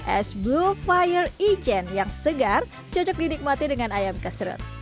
es blue fire ijen yang segar cocok dinikmati dengan ayam kesrut